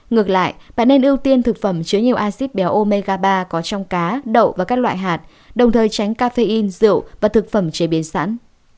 ngược lại bạn nên ưu tiên thực phẩm chứa nhiều acid béo mega ba có trong cá đậu và các loại hạt đồng thời tránh cafein rượu và thực phẩm chế biến sẵn